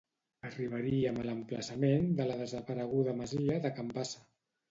arribaríem a l'emplaçament de la desapareguda masia de can Bassa